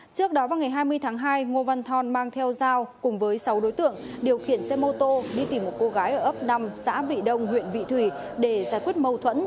trước đó vào ngày hai mươi tháng hai ngô văn thon mang theo dao cùng với sáu đối tượng điều khiển xe mô tô đi tìm một cô gái ở ấp năm xã vị đông huyện vị thủy để giải quyết mâu thuẫn